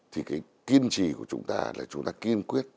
thì cái kiên trì của chúng ta là chúng ta kiên quyết